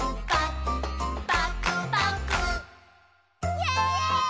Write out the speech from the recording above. イエーイ！